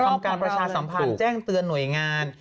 ทำการประชาสัมพันธ์แจ้งเตือนหน่วยงาน